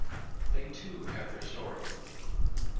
They too have their story.